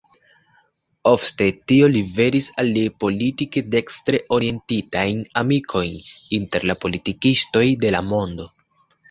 Ofte tio liveris al li politike dekstre-orientitajn amikojn inter la politikistoj de la mondo.